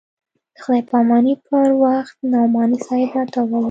د خداى پاماني پر وخت نعماني صاحب راته وويل.